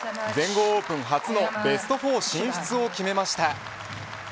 全豪オープン初のベスト４進出を決めました。